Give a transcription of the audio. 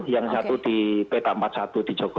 yang satu di peta empat puluh satu di jogja